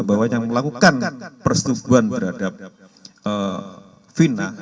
bahwa yang melakukan persetubuhan berhadap vina